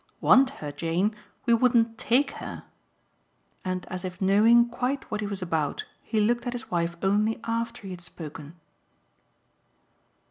"'Want' her, Jane? We wouldn't TAKE her." And as if knowing quite what he was about he looked at his wife only after he had spoken.